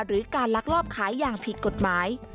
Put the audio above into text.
หรือการลักลอบขายอย่างผิดกฎหมาย